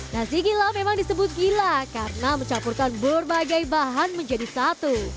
nasi gila memang disebut gila karena mencampurkan berbagai bahan menjadi satu